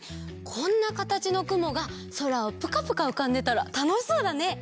こんなかたちのくもがそらをぷかぷかうかんでたらたのしそうだね！